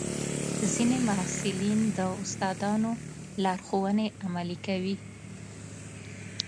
ځینې محصلین د استادانو لارښوونې عملي کوي.